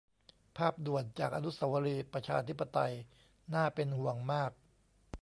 ภาพด่วนจาก อนุเสาวรีย์ประชาธิปไตย น่าเป็นห่วงมาก